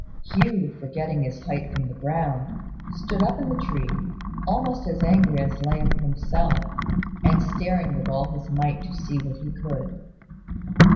Hugh, forgetting his height from the ground, stood up in the tree, almost as angry as Lamb himself, and staring with all his might to see what he could.